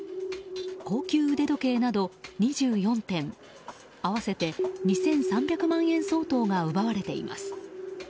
高級腕時計など２４点合わせて２３００万円相当が奪われています。